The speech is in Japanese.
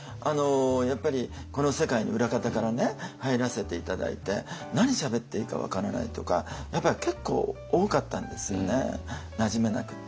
やっぱりこの世界に裏方から入らせて頂いて何しゃべっていいか分からないとかやっぱり結構多かったんですよねなじめなくって。